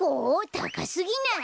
たかすぎない？